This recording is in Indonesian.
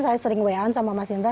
saya sering wayan sama mas indra